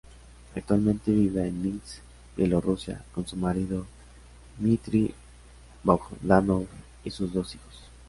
Actualmente vive en Minsk, Bielorrusia, con su marido Dmitry Bogdanov y sus dos hijos.